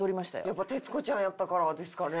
やっぱ徹子ちゃんやったからですかね？